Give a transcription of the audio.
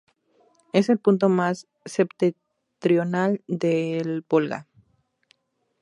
Es el punto más septentrional del Volga.